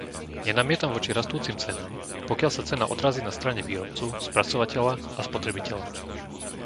Nenamietam voči rastúcim cenám, pokiaľ sa cena odrazí na strane výrobcu, spracovateľa a spotrebiteľa.